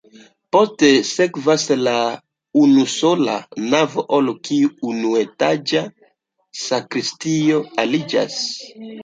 Poste sekvas la unusola navo, al kiu unuetaĝa sakristio aliĝas.